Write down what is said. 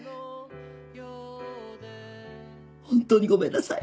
ホントにごめんなさい。